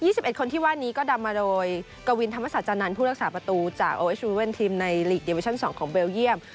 แต่คนที่ว่านี้ก็ดำมาโดยกวินธรรมศจรรย์นั้นผู้รักษาประตูจากโอเอสชูวิเว่นทีมในลีกเดียเวชั่น๒ของเบลเยี่ยม